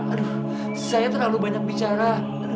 aduh saya terlalu banyak bicara